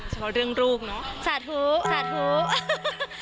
เฉพาะเรื่องลูกเนอะสาธุสาธุ